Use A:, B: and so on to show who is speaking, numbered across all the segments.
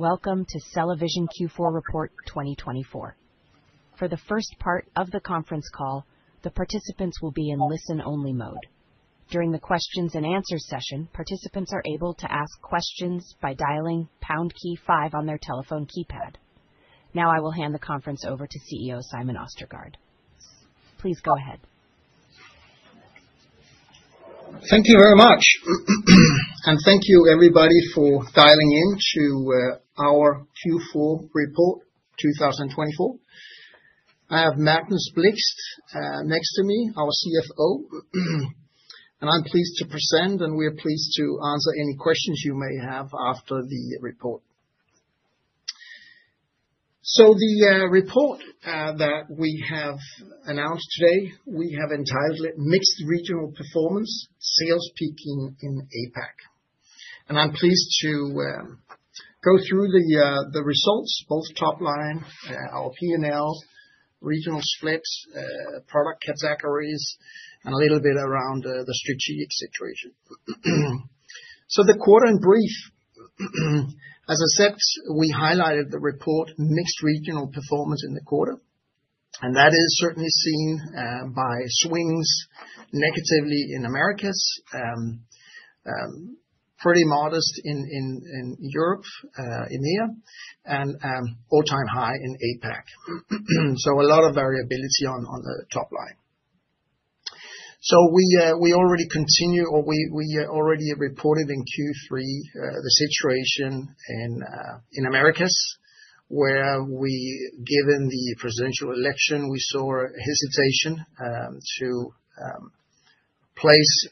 A: Welcome to CellaVision Q4 Report 2024. For the first part of the conference call, the participants will be in listen-only mode. During the Q&A session, participants are able to ask questions by dialing pound key five on their telephone keypad. Now I will hand the conference over to CEO Simon Østergaard. Please go ahead.
B: Thank you very much, and thank you everybody for dialing in to our Q4 Report 2024. I have Magnus Blixt next to me, our CFO, and I'm pleased to present, and we're pleased to answer any questions you may have after the report, so the report that we have announced today, we have entitled it "Mixed Regional Performance: Sales Peak in APAC," and I'm pleased to go through the results, both top line, our P&L, regional splits, product categories, and a little bit around the strategic situation, so the quarter in brief, as I said, we highlighted the report "Mixed Regional Performance in the Quarter," and that is certainly seen by swings negatively in Americas, pretty modest in Europe, India, and all-time high in APAC, so a lot of variability on the top line. So we already continue, or we already reported in Q3 the situation in Americas, where we, given the presidential election, we saw hesitation to place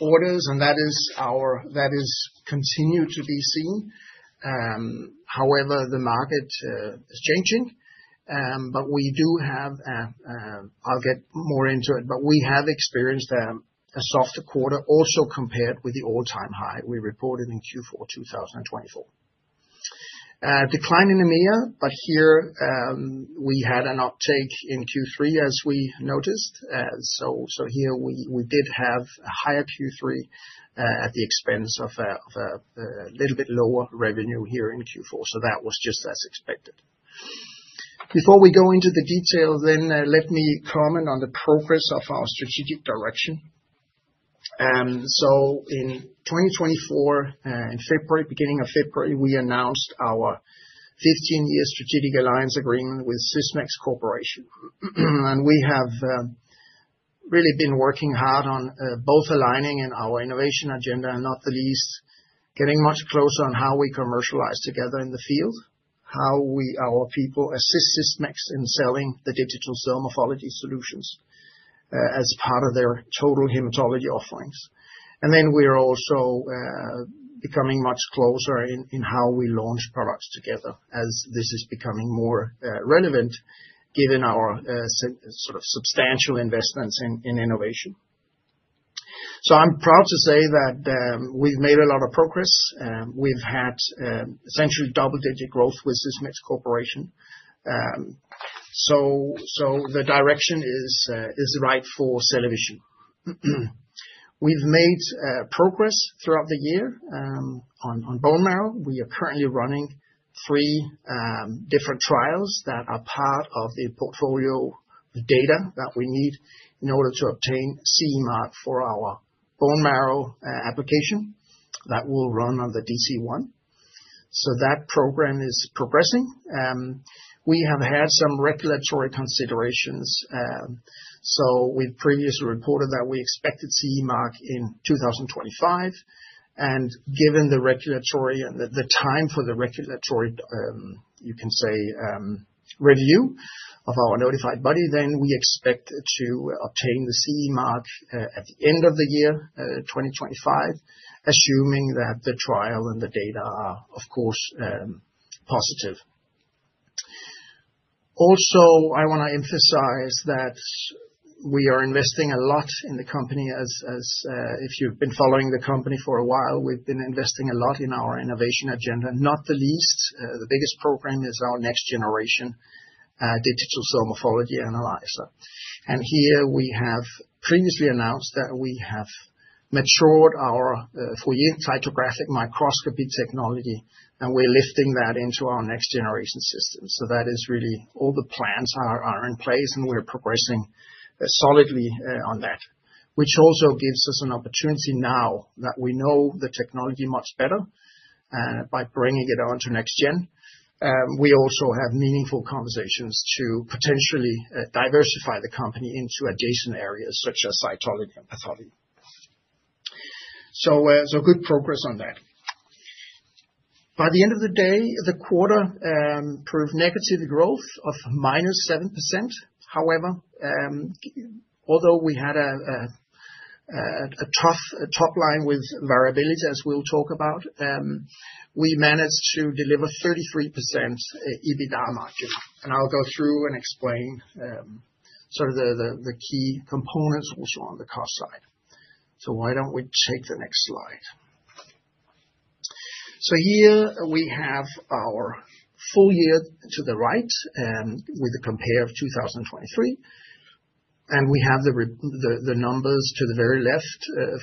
B: orders, and that is continued to be seen. However, the market is changing, but we do have, I'll get more into it, but we have experienced a softer quarter also compared with the all-time high we reported in Q4 2024. Decline in EMEA, but here we had an uptake in Q3, as we noticed. So here we did have a higher Q3 at the expense of a little bit lower revenue here in Q4, so that was just as expected. Before we go into the details then, let me comment on the progress of our strategic direction. So in 2024, in February, beginning of February, we announced our 15-year strategic alliance agreement with Sysmex Corporation. We have really been working hard on both aligning our innovation agenda, and not the least, getting much closer on how we commercialize together in the field, how our people assist Sysmex in selling the digital cell morphology solutions as part of their total hematology offerings. We are also becoming much closer in how we launch products together, as this is becoming more relevant, given our sort of substantial investments in innovation. I'm proud to say that we've made a lot of progress. We've had essentially double-digit growth with Sysmex Corporation. The direction is right for CellaVision. We've made progress throughout the year on bone marrow. We are currently running three different trials that are part of the portfolio data that we need in order to obtain CE mark for our Bone Marrow Application that will run on the DC-1. That program is progressing. We have had some regulatory considerations. We've previously reported that we expected CE mark in 2025. Given the regulatory and the time for the regulatory, you can say, review of our notified body, then we expect to obtain the CE mark at the end of the year 2025, assuming that the trial and the data are, of course, positive. Also, I want to emphasize that we are investing a lot in the company. If you've been following the company for a while, we've been investing a lot in our innovation agenda. Not the least, the biggest program is our next-generation digital cell morphology analyzer. Here we have previously announced that we have matured our Fourier Ptychographic Microscopy technology, and we're lifting that into our next-generation system. So that is really all. The plans are in place, and we're progressing solidly on that, which also gives us an opportunity now that we know the technology much better by bringing it on to next gen. We also have meaningful conversations to potentially diversify the company into adjacent areas such as cytology and pathology. So good progress on that. By the end of the day, the quarter proved negative growth of -7%. However, although we had a tough top line with variability, as we'll talk about, we managed to deliver 33% EBITDA margin. And I'll go through and explain sort of the key components also on the cost side. So why don't we take the next slide? So here we have our full year to the right with the comparison to 2023. We have the numbers to the very left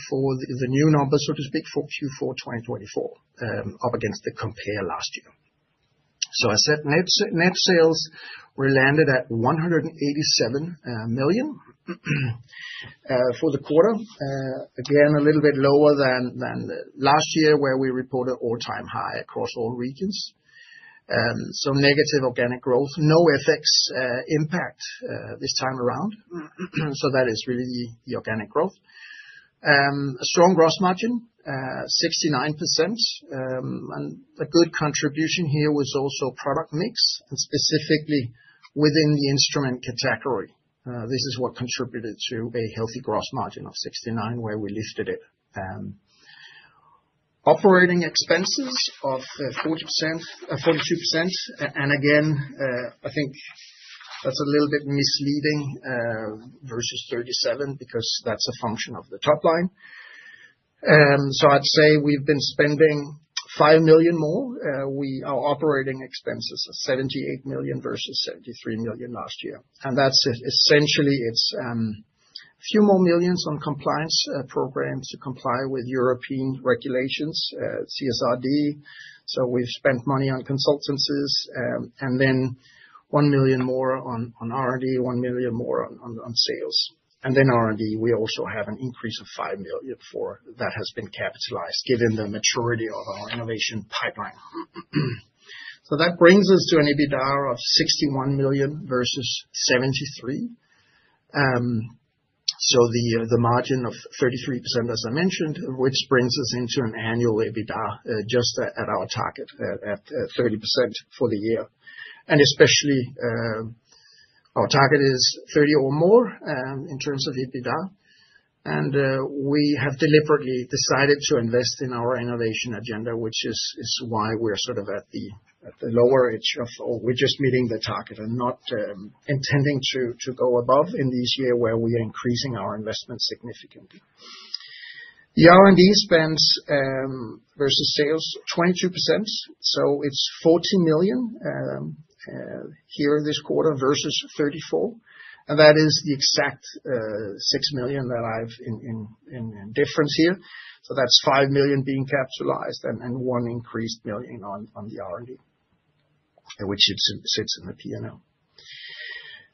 B: for the new numbers, so to speak, for Q4 2024, up against the compare last year. So I said net sales, we landed at 187 million for the quarter. Again, a little bit lower than last year, where we reported all-time high across all regions. So negative organic growth, no FX impact this time around. So that is really the organic growth. Strong gross margin, 69%. And a good contribution here was also product mix, and specifically within the instrument category. This is what contributed to a healthy gross margin of 69%, where we lifted it. Operating expenses of 42%. And again, I think that's a little bit misleading versus 37% because that's a function of the top line. So I'd say we've been spending 5 million more. Our operating expenses are 78 million versus 73 million last year. And that's essentially it. It's a few more million SEK on compliance programs to comply with European regulations, CSRD, so we've spent money on consultancies. And then 1 million more on R&D, 1 million more on sales. And then, for R&D, we also have an increase of 5 million for that, which has been capitalized, given the maturity of our innovation pipeline. So that brings us to an EBITDA of 61 million versus 73 million. So the margin of 33%, as I mentioned, which brings us to an annual EBITDA just at our target of 30% for the year. And especially, our target is 30% or more in terms of EBITDA. And we have deliberately decided to invest in our innovation agenda, which is why we're sort of at the lower edge of, or we're just meeting the target and not intending to go above in this year where we are increasing our investment significantly. The R&D spend versus sales [is] 22%. It's 40 million SEK here this quarter versus 34 million. And that is the exact 6 million difference here. That's 5 million being capitalized and one increased million SEK on the R&D, which sits in the P&L.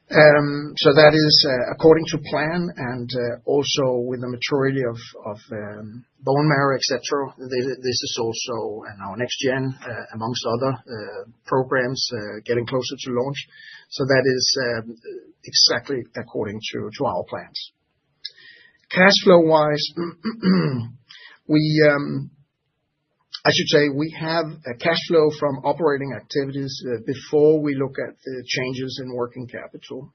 B: That is according to plan and also with the maturity of bone marrow, et cetera. This is also our next gen, amongst other programs getting closer to launch. That is exactly according to our plans. Cash flow-wise, I should say we have a cash flow from operating activities before we look at the changes in working capital.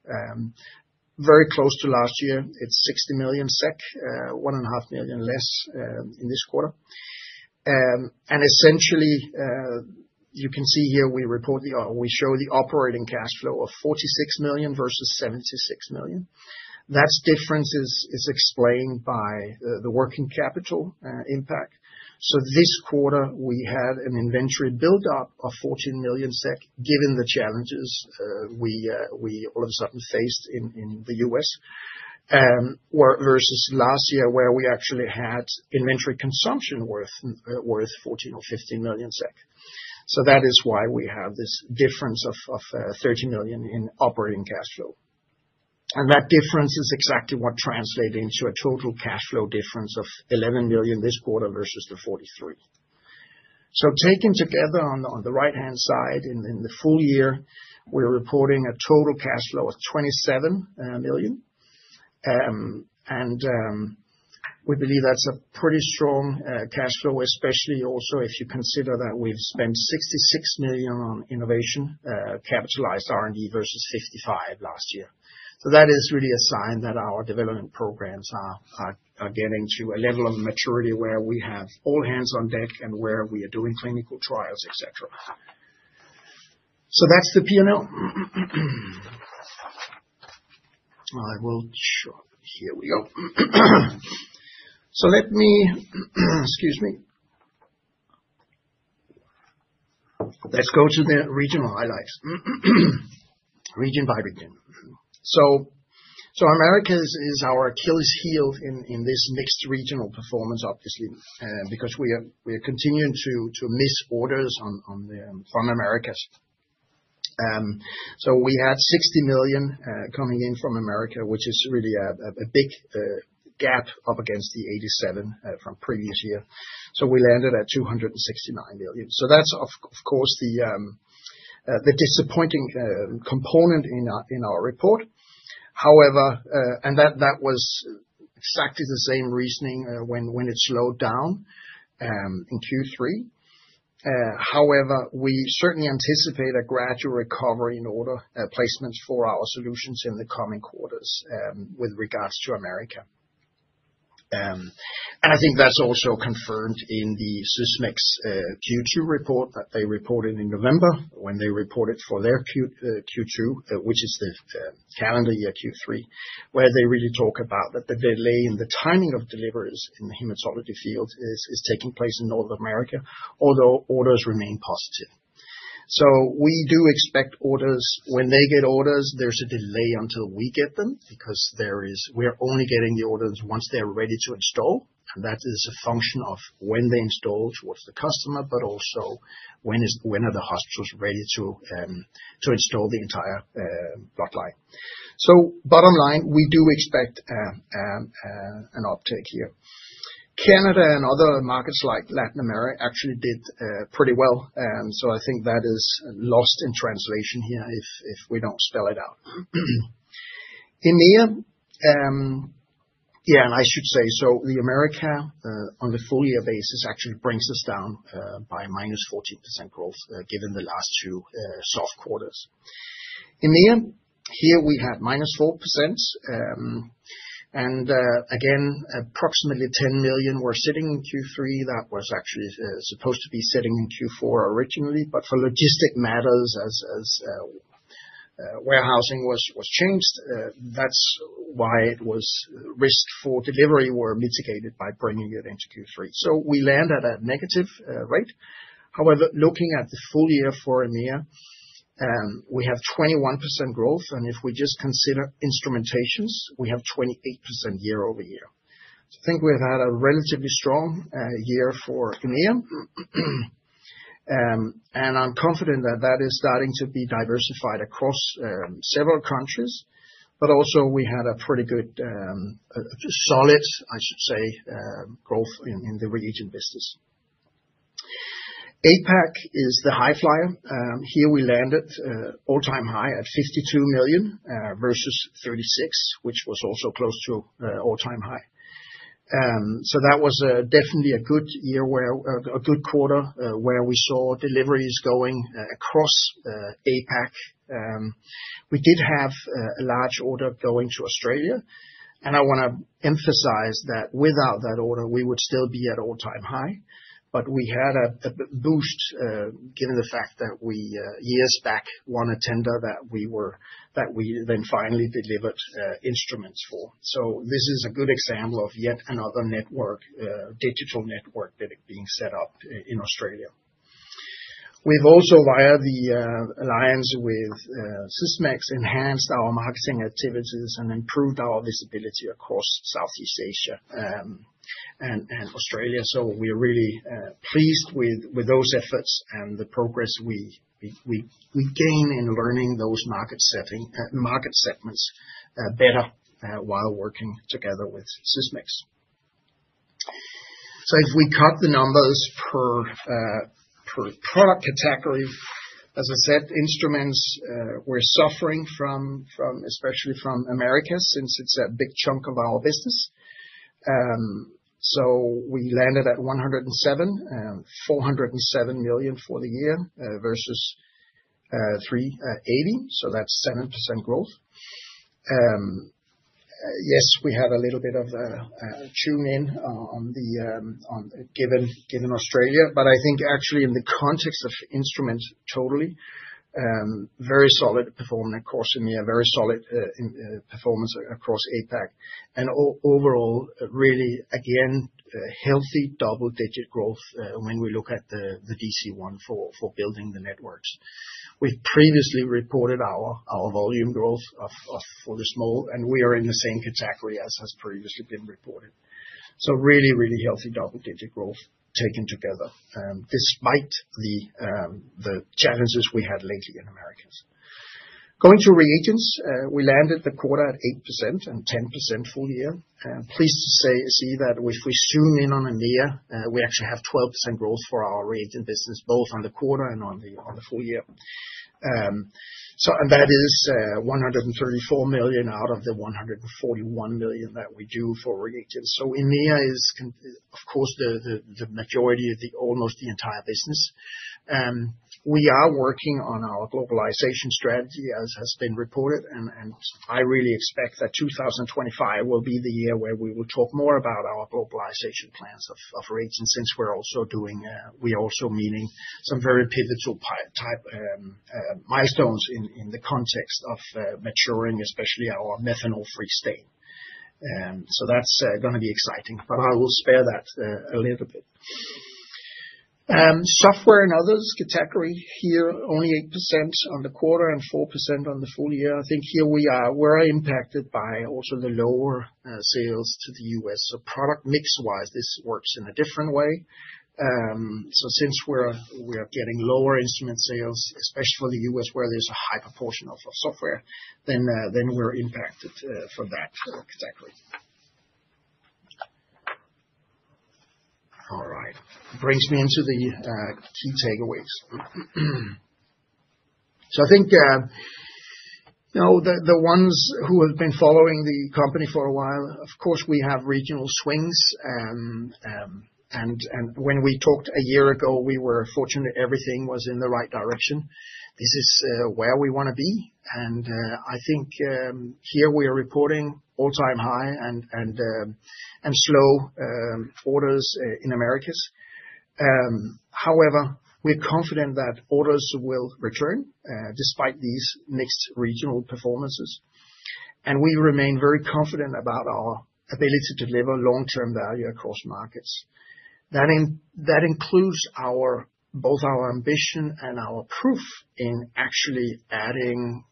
B: Very close to last year, it's 60 million SEK, 1.5 million less in this quarter. And essentially, you can see here we report the, or we show the operating cash flow of 46 million versus 76 million. That difference is explained by the working capital impact. So this quarter, we had an inventory build-up of 14 million SEK, given the challenges we all of a sudden faced in the U.S. versus last year where we actually had inventory consumption worth 14 million or 15 million SEK. So that is why we have this difference of 30 million in operating cash flow. And that difference is exactly what translated into a total cash flow difference of 11 million this quarter versus the 43 million. So taken together on the right-hand side in the full year, we're reporting a total cash flow of 27 million. And we believe that's a pretty strong cash flow, especially also if you consider that we've spent 66 million on innovation capitalized R&D versus 55 million last year. That is really a sign that our development programs are getting to a level of maturity where we have all hands on deck and where we are doing clinical trials, et cetera. That's the P&L. I will show, here we go. So let me, excuse me. Let's go to the regional highlights, region by region. The Americas is our Achilles heel in this mixed regional performance, obviously, because we are continuing to miss orders from the Americas. We had 60 million coming in from the Americas, which is really a big gap up against the 87 million from previous year. We landed at 269 million. That's, of course, the disappointing component in our report. However, and that was exactly the same reasoning when it slowed down in Q3. However, we certainly anticipate a gradual recovery in order placements for our solutions in the coming quarters with regards to America. And I think that's also confirmed in the Sysmex Q2 report that they reported in November when they reported for their Q2, which is the calendar year Q3, where they really talk about that the delay in the timing of deliveries in the hematology field is taking place in North America, although orders remain positive. So we do expect orders when they get orders, there's a delay until we get them because we're only getting the orders once they're ready to install. And that is a function of when they install towards the customer, but also when are the hospitals ready to install the entire bloodline. So bottom line, we do expect an uptake here. Canada and other markets like Latin America actually did pretty well. So I think that is lost in translation here if we don't spell it out. EMEA, yeah, and I should say, so the Americas on the full year basis actually brings us down by minus 14% growth given the last two soft quarters. EMEA, here we had minus 4%. And again, approximately 10 million were sitting in Q3. That was actually supposed to be sitting in Q4 originally, but for logistic matters, as warehousing was changed, that's why the risk for delivery were mitigated by bringing it into Q3. So we land at a negative rate. However, looking at the full year for EMEA, we have 21% growth. And if we just consider instrumentations, we have 28% year-over-year. So I think we've had a relatively strong year for EMEA. And I'm confident that that is starting to be diversified across several countries. But also we had a pretty good, solid, I should say, growth in the reagent business. APAC is the high flyer. Here we landed all-time high at 52 million versus 36 million, which was also close to all-time high. So that was definitely a good year, a good quarter where we saw deliveries going across APAC. We did have a large order going to Australia. And I want to emphasize that without that order, we would still be at all-time high. But we had a boost given the fact that we years back won a tender that we then finally delivered instruments for. So this is a good example of yet another network, digital network being set up in Australia. We've also, via the alliance with Sysmex, enhanced our marketing activities and improved our visibility across Southeast Asia and Australia. We're really pleased with those efforts and the progress we gain in learning those market segments better while working together with Sysmex. If we cut the numbers per product category, as I said, instruments, we're suffering from, especially from America since it's a big chunk of our business. We landed at 407 million for the year versus 380. That's 7% growth. Yes, we have a little bit of a downturn given Australia. But I think actually in the context of instruments, totally very solid performance, of course, EMEA, very solid performance across APAC. And overall, really, again, healthy double-digit growth when we look at the DC-1 for building the networks. We've previously reported our volume growth for the small, and we are in the same category as has previously been reported. So really, really healthy double-digit growth taken together despite the challenges we had lately in Americas. Going to reagents, we landed the quarter at 8% and 10% full year. Pleased to see that if we zoom in on EMEA, we actually have 12% growth for our reagent business, both on the quarter and on the full year. And that is 134 million out of the 141 million that we do for reagents. So EMEA is, of course, the majority of almost the entire business. We are working on our globalization strategy, as has been reported. And I really expect that 2025 will be the year where we will talk more about our globalization plans of reagents since we are also meeting some very pivotal type milestones in the context of maturing, especially our methanol-free state. So that's going to be exciting, but I will spare that a little bit. Software and others category here, only 8% on the quarter and 4% on the full year. I think here we are, we're impacted by also the lower sales to the U.S. So product mix-wise, this works in a different way. So since we are getting lower instrument sales, especially for the U.S., where there's a high proportion of software, then we're impacted for that category. All right. Brings me into the key takeaways. So I think the ones who have been following the company for a while, of course, we have regional swings. And when we talked a year ago, we were fortunate everything was in the right direction. This is where we want to be. And I think here we are reporting all-time high and slow orders in Americas. However, we're confident that orders will return despite these mixed regional performances. And we remain very confident about our ability to deliver long-term value across markets. That includes both our ambition and our proof in actually adding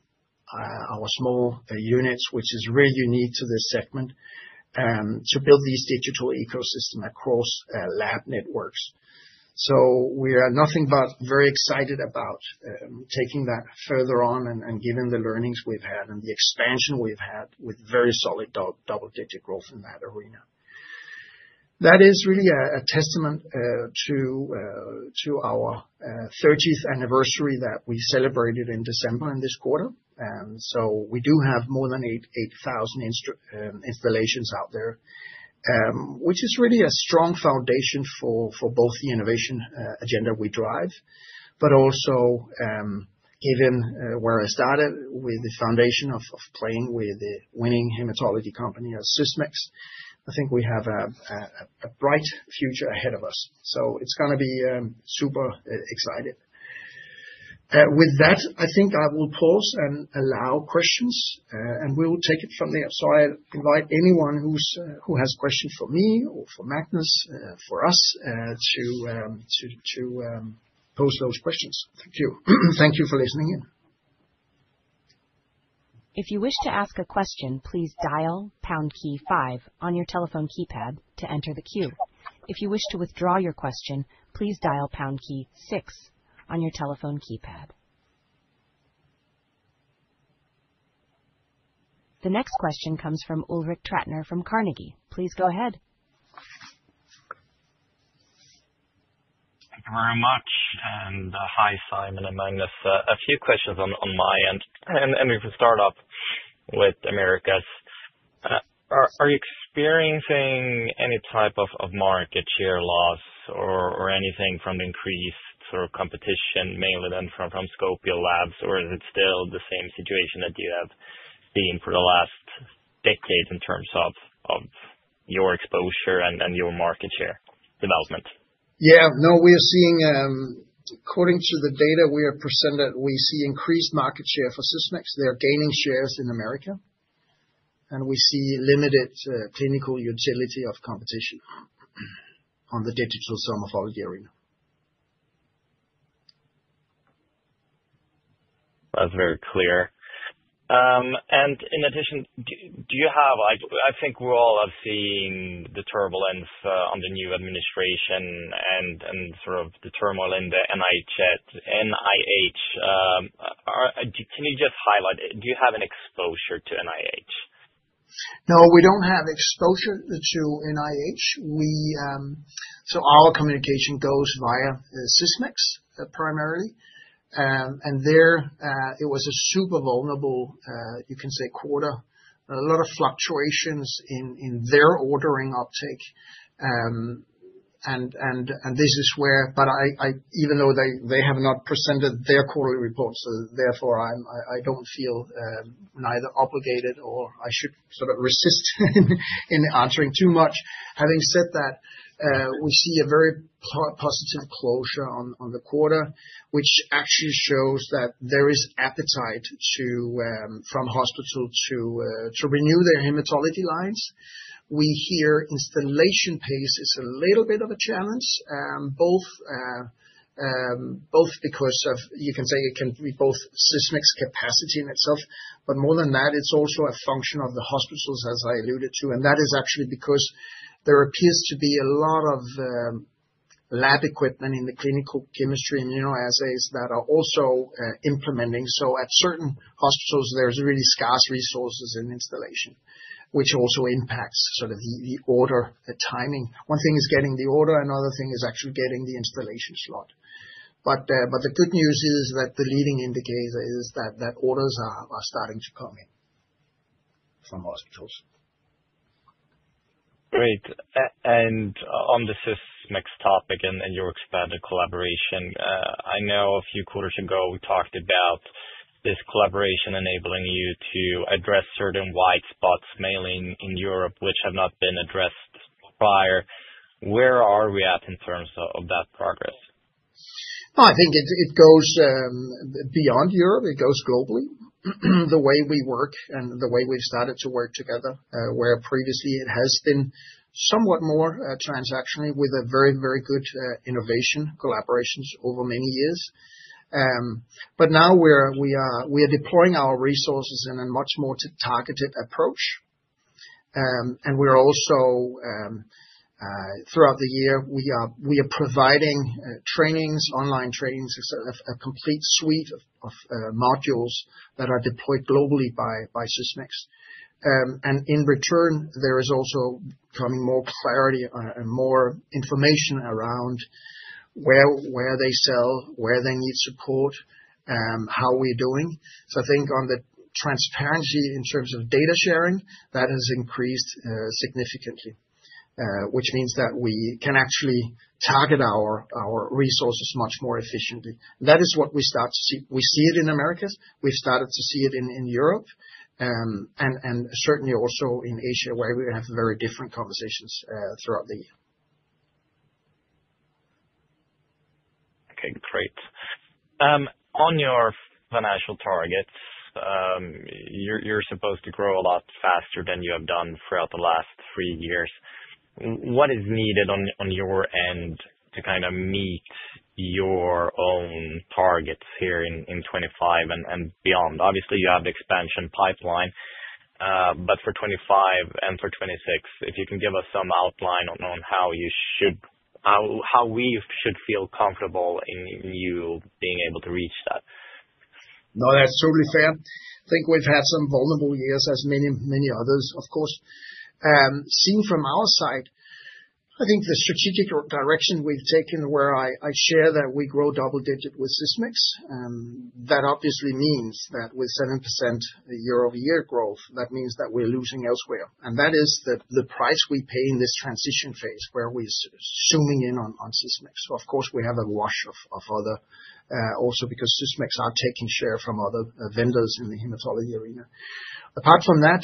B: our small units, which is really unique to this segment, to build these digital ecosystems across lab networks. So we are nothing but very excited about taking that further on and given the learnings we've had and the expansion we've had with very solid double-digit growth in that arena. That is really a testament to our 30th anniversary that we celebrated in December in this quarter. And so we do have more than 8,000 installations out there, which is really a strong foundation for both the innovation agenda we drive, but also given where I started with the foundation of playing with the winning hematology company as Sysmex, I think we have a bright future ahead of us. So it's going to be super exciting. With that, I think I will pause and allow questions, and we will take it from there. So I invite anyone who has questions for me or for Magnus, for us to post those questions. Thank you. Thank you for listening in.
A: If you wish to ask a question, please dial pound key five on your telephone keypad to enter the queue. If you wish to withdraw your question, please dial pound key six on your telephone keypad. The next question comes from Ulrik Trattner from Carnegie. Please go ahead.
C: Thank you very much. And hi, Simon and Magnus. A few questions on my end. And we can start off with Americas. Are you experiencing any type of market share loss or anything from the increased sort of competition, mainly then from Scopio Labs? Or is it still the same situation that you have been for the last decade in terms of your exposure and your market share development?
B: Yeah. No, we are seeing, according to the data, we see increased market share for Sysmex. They are gaining shares in America. And we see limited clinical utility of competition on the digital cell morphology arena.
C: That's very clear. And in addition, do you have, I think we're all seeing the turbulence on the new administration and sort of the turmoil in the NIH. Can you just highlight, do you have an exposure to NIH?
B: No, we don't have exposure to NIH. So our communication goes via Sysmex primarily. And there, it was a super volatile quarter, you can say, a lot of fluctuations in their ordering uptake. And this is where, but even though they have not presented their quarterly reports, therefore, I don't feel neither obligated or I should sort of resist in answering too much. Having said that, we see a very positive closure on the quarter, which actually shows that there is appetite from hospital to renew their hematology lines. We hear installation pace is a little bit of a challenge, both because of, you can say, it can be both Sysmex capacity in itself, but more than that, it's also a function of the hospitals, as I alluded to. And that is actually because there appears to be a lot of lab equipment in the clinical chemistry and assays that are also implementing. So at certain hospitals, there's really scarce resources in installation, which also impacts sort of the order, the timing. One thing is getting the order. Another thing is actually getting the installation slot. But the good news is that the leading indicator is that orders are starting to come in from hospitals.
C: Great. And on the Sysmex topic and your expanded collaboration, I know a few quarters ago, we talked about this collaboration enabling you to address certain white spots mainly in Europe, which have not been addressed prior. Where are we at in terms of that progress?
B: I think it goes beyond Europe. It goes globally. The way we work and the way we've started to work together, where previously it has been somewhat more transactionally with a very, very good innovation collaborations over many years. But now we are deploying our resources in a much more targeted approach. We are also, throughout the year, we are providing trainings, online trainings, a complete suite of modules that are deployed globally by Sysmex. In return, there is also coming more clarity and more information around where they sell, where they need support, how we're doing. I think on the transparency in terms of data sharing, that has increased significantly, which means that we can actually target our resources much more efficiently. That is what we start to see. We see it in Americas. We've started to see it in Europe. And certainly also in Asia, where we have very different conversations throughout the year.
C: Okay, great. On your financial targets, you're supposed to grow a lot faster than you have done throughout the last three years. What is needed on your end to kind of meet your own targets here in 2025 and beyond? Obviously, you have the expansion pipeline, but for 2025 and for 2026, if you can give us some outline on how we should feel comfortable in you being able to reach that.
B: No, that's totally fair. I think we've had some vulnerable years as many others, of course. Seen from our side, I think the strategic direction we've taken, where I share that we grow double-digit with Sysmex, that obviously means that with 7% year-over-year growth, that means that we're losing elsewhere, and that is the price we pay in this transition phase where we are zooming in on Sysmex. Of course, we have a wash of other also because Sysmex are taking share from other vendors in the hematology arena. Apart from that,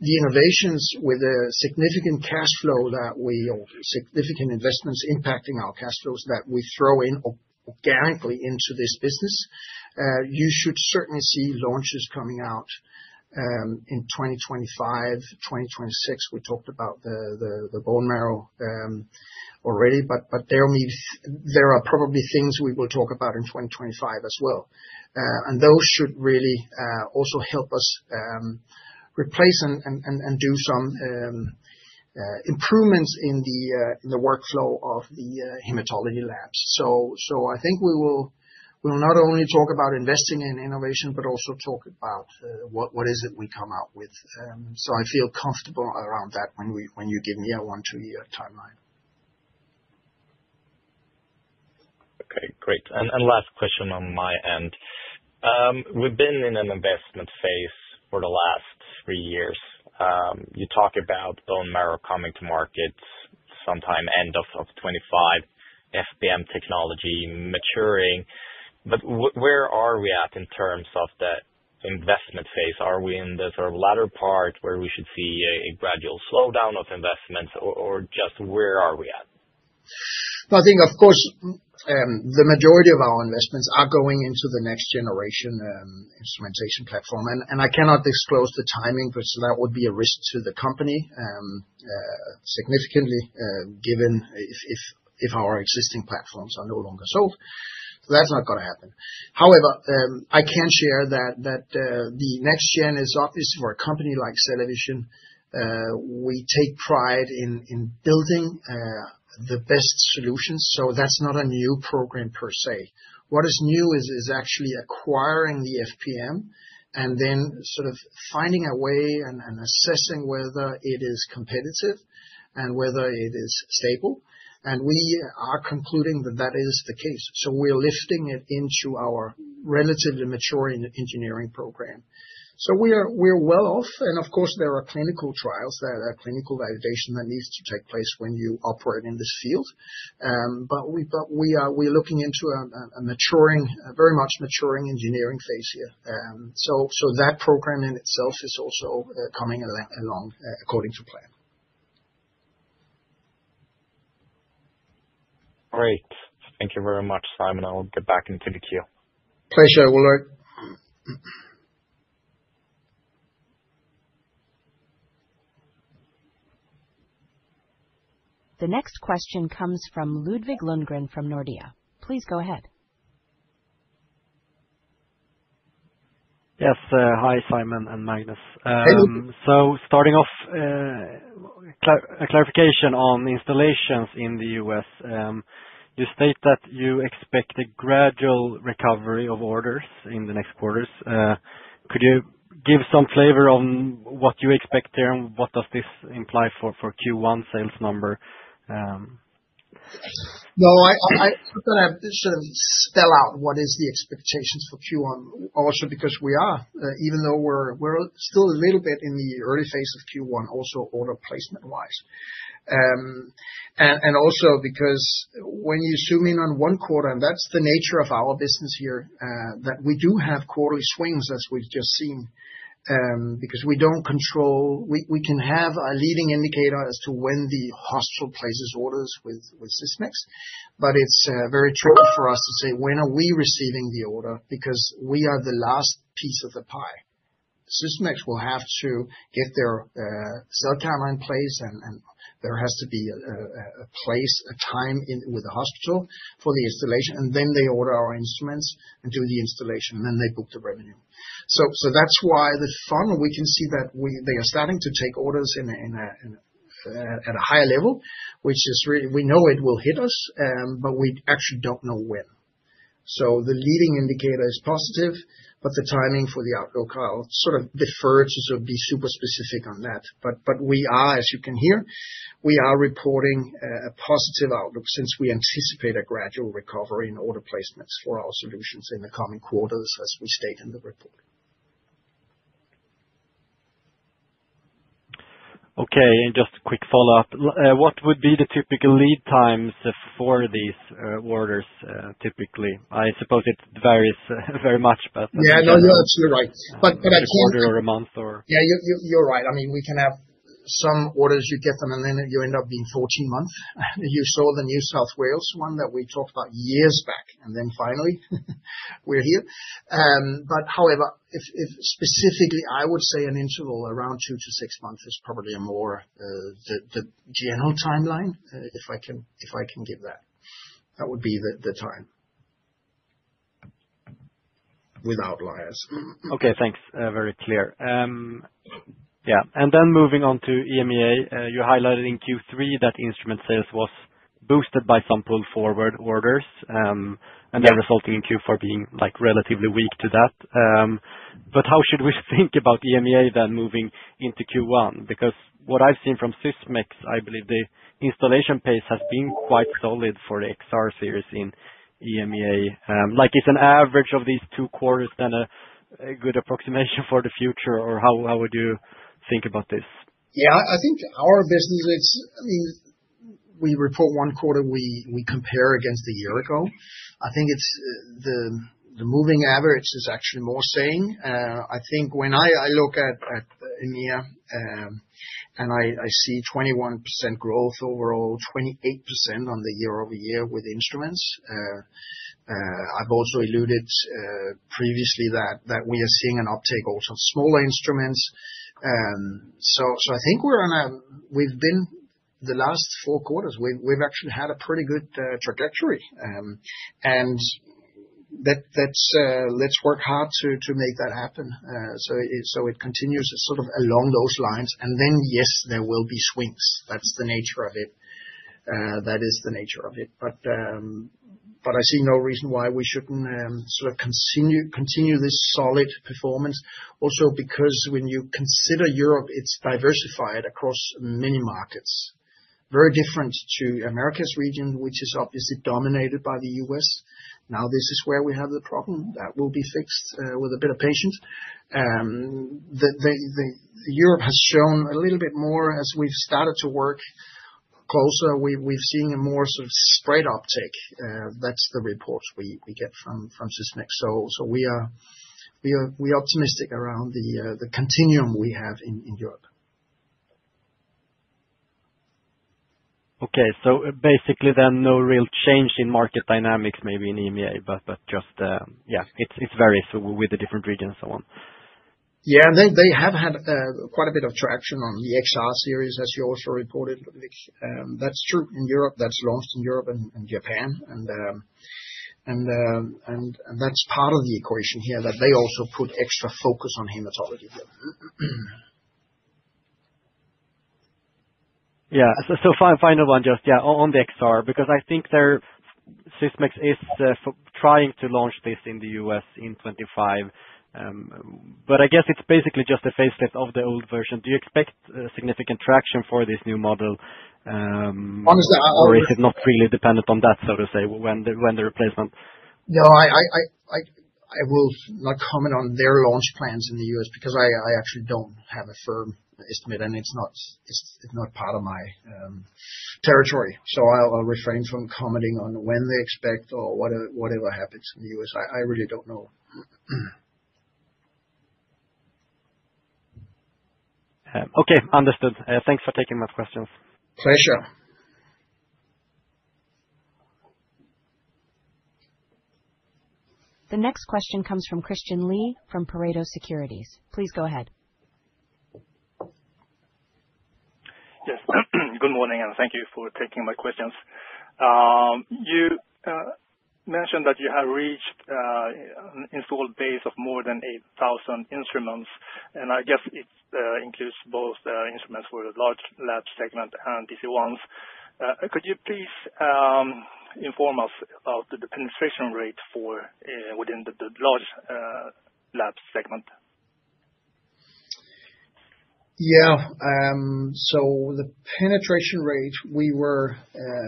B: the innovations with a significant cash flow that we or significant investments impacting our cash flows that we throw in organically into this business, you should certainly see launches coming out in 2025, 2026. We talked about the bone marrow already, but there are probably things we will talk about in 2025 as well. And those should really also help us replace and do some improvements in the workflow of the hematology labs. So I think we will not only talk about investing in innovation, but also talk about what is it we come out with. So I feel comfortable around that when you give me a one-to-year timeline.
C: Okay, great. And last question on my end. We've been in an investment phase for the last three years. You talk about bone marrow coming to market sometime end of 2025, FPM technology maturing. But where are we at in terms of that investment phase? Are we in the sort of latter part where we should see a gradual slowdown of investments, or just where are we at?
B: Well, I think, of course, the majority of our investments are going into the next generation instrumentation platform. And I cannot disclose the timing, but that would be a risk to the company significantly given if our existing platforms are no longer sold. That's not going to happen. However, I can share that the next gen is obviously for a company like CellaVision. We take pride in building the best solutions. So that's not a new program per se. What is new is actually acquiring the FPM and then sort of finding a way and assessing whether it is competitive and whether it is stable. And we are concluding that that is the case. So we're lifting it into our relatively mature engineering program. So we're well off. And of course, there are clinical trials, clinical validation that needs to take place when you operate in this field. But we are looking into a very much maturing engineering phase here. So that program in itself is also coming along according to plan.
C: Great. Thank you very much, Simon. I'll get back into the queue.
B: Pleasure, Ulrich.
A: The next question comes from Ludvig Lundgren from Nordea. Please go ahead.
D: Yes. Hi, Simon and Magnus. So starting off, a clarification on installations in the U.S. You state that you expect a gradual recovery of orders in the next quarters. Could you give some flavor on what you expect there and what does this imply for Q1 sales number?
B: No, I think I should spell out what is the expectations for Q1 also because we are, even though we're still a little bit in the early phase of Q1, also order placement-wise, and also because when you zoom in on one quarter, and that's the nature of our business here, that we do have quarterly swings as we've just seen because we don't control. We can have a leading indicator as to when the hospital places orders with Sysmex, but it's very tricky for us to say when are we receiving the order because we are the last piece of the pie. Sysmex will have to get their cell counter line placed, and there has to be a place, a time with the hospital for the installation, and then they order our instruments and do the installation, and then they book the revenue. So that's why the fund. We can see that they are starting to take orders at a higher level, which is really we know it will hit us, but we actually don't know when. The leading indicator is positive, but the timing for the outlook I'll sort of defer to sort of be super specific on that. But we are, as you can hear, we are reporting a positive outlook since we anticipate a gradual recovery in order placements for our solutions in the coming quarters as we state in the report.
D: Okay. And just a quick follow-up. What would be the typical lead times for these orders typically? I suppose it varies very much, but.
B: Yeah, no, you're absolutely right. But I can't.
D: Quarter or a month or.
B: Yeah, you're right. I mean, we can have some orders. You get them and then you end up being 14 months. You saw the New South Wales one that we talked about years back, and then finally we're here. But however, if specifically, I would say an interval around two to six months is probably a more general timeline if I can give that. That would be the time without liars.
D: Okay, thanks. Very clear. Yeah. And then moving on to EMEA, you highlighted in Q3 that instrument sales was boosted by some pull forward orders and then resulting in Q4 being relatively weak to that. But how should we think about EMEA then moving into Q1? Because what I've seen from Sysmex, I believe the installation pace has been quite solid for the XR-Series in EMEA. Is an average of these two quarters then a good approximation for the future, or how would you think about this?
B: Yeah, I think our business, I mean, we report one quarter, we compare against the year ago. I think the moving average is actually more saying. I think when I look at EMEA and I see 21% growth overall, 28% on the year-over-year with instruments. I've also alluded previously that we are seeing an uptake also of smaller instruments. So I think we've been the last four quarters, we've actually had a pretty good trajectory. And let's work hard to make that happen so it continues sort of along those lines. And then, yes, there will be swings. That's the nature of it. That is the nature of it. But I see no reason why we shouldn't sort of continue this solid performance. Also because when you consider Europe, it's diversified across many markets. Very different to Americas region, which is obviously dominated by the U.S. Now this is where we have the problem that will be fixed with a bit of patience. Europe has shown a little bit more as we've started to work closer. We've seen a more sort of spread uptake. That's the report we get from Sysmex. So we are optimistic around the continuum we have in Europe. Okay. So basically then no real change in market dynamics maybe in EMEA, but just, yeah, it's various with the different regions and so on. Yeah. And they have had quite a bit of traction on the XR series as you also reported, Ludvig. That's true in Europe. That's launched in Europe and Japan. And that's part of the equation here that they also put extra focus on hematology here. Yeah.
D: So final one, just, yeah, on the XR, because I think Sysmex is trying to launch this in the U.S. in 2025. But I guess it's basically just a facelift of the old version. Do you expect significant traction for this new model? Honestly. Or is it not really dependent on that, so to say, when the replacement?
B: No, I will not comment on their launch plans in the U.S. because I actually don't have a firm estimate, and it's not part of my territory. So I'll refrain from commenting on when they expect or whatever happens in the U.S. I really don't know.
D: Okay. Understood. Thanks for taking my questions.
B: Pleasure.
A: The next question comes from Christian Lee from Pareto Securities. Please go ahead.
E: Yes. Good morning and thank you for taking my questions. You mentioned that you have reached an installed base of more than 8,000 instruments. I guess it includes both instruments for the large lab segment and DC-1s. Could you please inform us of the penetration rate within the large lab segment?
B: Yeah. So the penetration rate,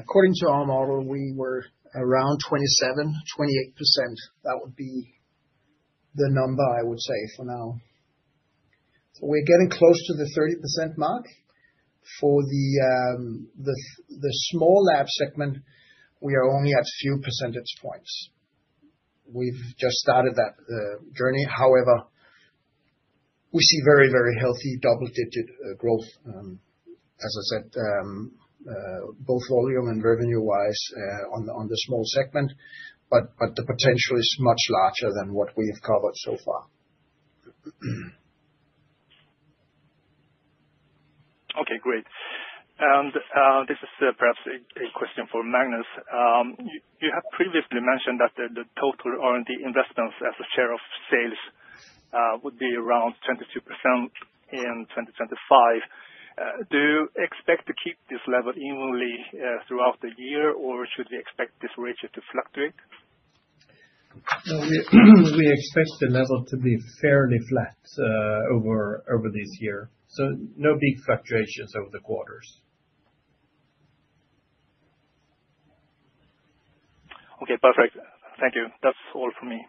B: according to our model, we were around 27-28%. That would be the number I would say for now. So we're getting close to the 30% mark. For the small lab segment, we are only at a few percentage points. We've just started that journey. However, we see very, very healthy double-digit growth, as I said, both volume and revenue-wise on the small segment. But the potential is much larger than what we have covered so far.
E: Okay, great. And this is perhaps a question for Magnus. You have previously mentioned that the total R&D investments as a share of sales would be around 22% in 2025. Do you expect to keep this level evenly throughout the year, or should we expect this rate to fluctuate?
F: We expect the level to be fairly flat over this year. So no big fluctuations over the quarters.
E: Okay, perfect. Thank you. That's all for me.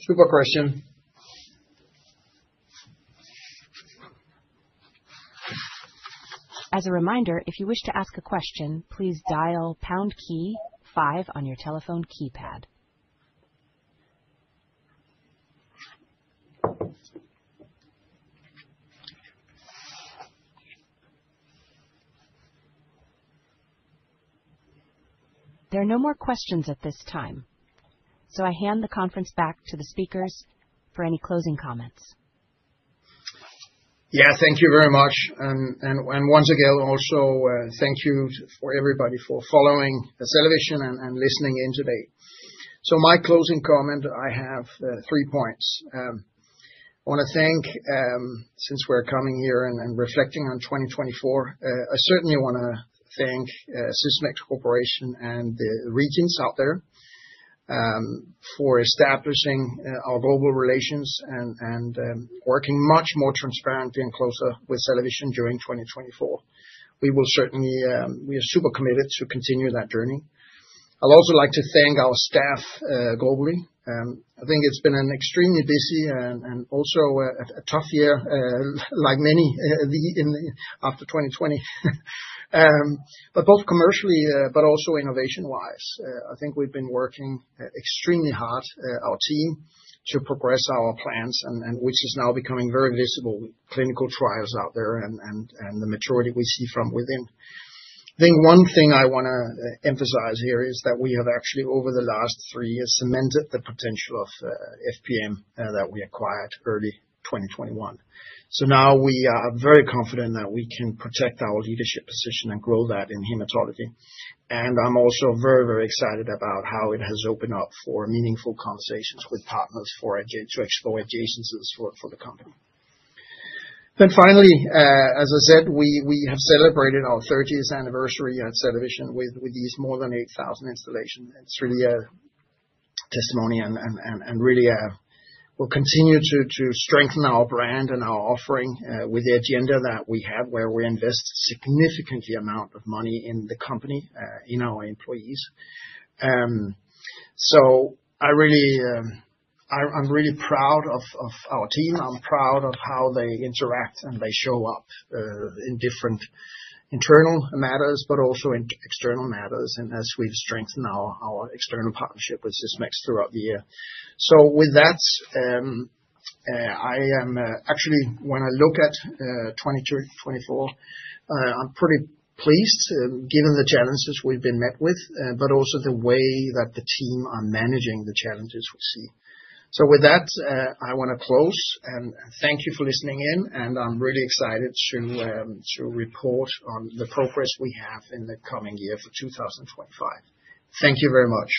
B: Super question.
A: As a reminder, if you wish to ask a question, please dial pound key five on your telephone keypad. There are no more questions at this time. So I hand the conference back to the speakers for any closing comments.
B: Yes, thank you very much. And once again, also thank you for everybody for following CellaVision and listening in today. So my closing comment, I have three points. I want to thank, since we're coming here and reflecting on 2024, I certainly want to thank Sysmex Corporation and the regions out there for establishing our global relations and working much more transparently and closer with CellaVision during 2024. We are super committed to continue that journey. I'd also like to thank our staff globally. I think it's been an extremely busy and also a tough year, like many after 2020. But both commercially, but also innovation-wise, I think we've been working extremely hard, our team, to progress our plans, which is now becoming very visible with clinical trials out there and the maturity we see from within. I think one thing I want to emphasize here is that we have actually, over the last three years, cemented the potential of FPM that we acquired early 2021. So now we are very confident that we can protect our leadership position and grow that in hematology. And I'm also very, very excited about how it has opened up for meaningful conversations with partners to explore adjacencies for the company. Then finally, as I said, we have celebrated our 30th anniversary at CellaVision with these more than 8,000 installations. It's really a testimony and really will continue to strengthen our brand and our offering with the agenda that we have, where we invest a significant amount of money in the company, in our employees. So I'm really proud of our team. I'm proud of how they interact and they show up in different internal matters, but also in external matters, and as we've strengthened our external partnership with Sysmex throughout the year. With that, I am actually, when I look at 2024, I'm pretty pleased given the challenges we've been met with, but also the way that the team are managing the challenges we see. With that, I want to close and thank you for listening in. I am really excited to report on the progress we have in the coming year for 2025. Thank you very much.